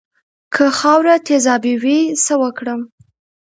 که خاوره تیزابي وي څه وکړم؟